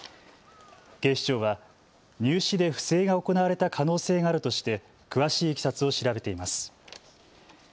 警視庁は入試で不正が行われた可能性があるとして詳しいいきさつを調べています。